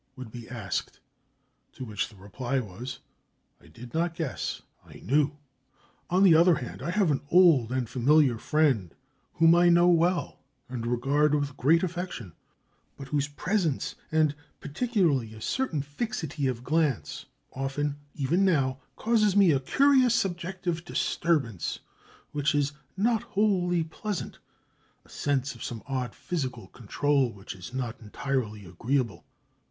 would be asked. To which the reply was, "I did not guess I knew." On the other hand I have an old and familiar friend, whom I know well and regard with great affection, but whose presence, and particularly a certain fixity of glance, often, even now, causes me a curious subjective disturbance which is not wholly pleasant, a sense of some odd psychical control which is not entirely agreeable.